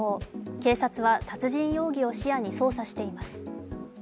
警察は殺人容疑を視野に捜査しています。